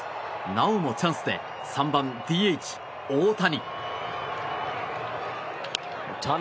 なおもチャンスで３番ＤＨ、大谷。